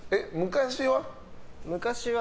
昔は？